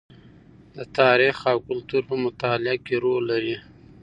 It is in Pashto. د تاریخ او کلتور په مطالعه کې رول لري.